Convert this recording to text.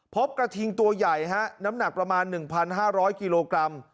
พบกระทิงตัวใหญ่ฮะน้ำหนักประมาณ๑๕๐๐กิโลกรัม